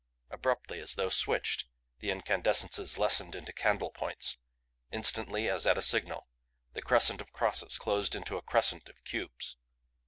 Abruptly, as though switched, the incandescences lessened into candle points; instantly, as at a signal, the crescent of crosses closed into a crescent of cubes.